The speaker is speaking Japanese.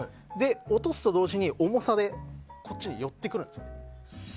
落とすと同時に重さでこっちに寄って来るんです。